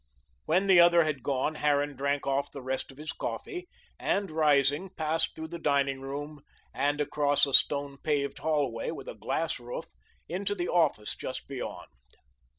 When the other had gone, Harran drank off the rest of his coffee, and, rising, passed through the dining room and across a stone paved hallway with a glass roof into the office just beyond.